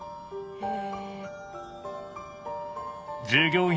へえ。